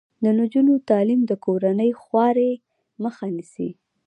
د نجونو تعلیم د کورنۍ خوارۍ مخه نیسي.